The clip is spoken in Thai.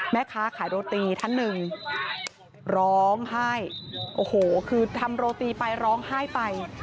แม่ค้าขายโรตีท่านหนึ่งร้องไห้โอ้โหคือทำโรตีไปร้องไห้ไป